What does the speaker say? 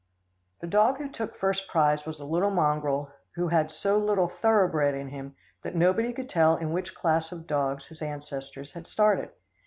The dog who took first prize was a little mongrel who had so little thoroughbred in him, that nobody could tell in which class of dogs his ancestors had started.